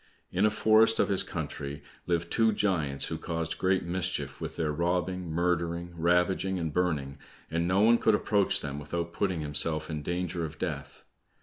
In a forest of his country lived two giants who caused great mischief with their robbing, murdering, ravaging, and burning, and no one could approach them without putting himself in danger of death.